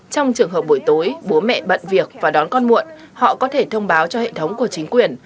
trong trường hợp buổi tối bố mẹ bận việc và đón con muộn họ có thể thông báo cho hệ thống của chính quyền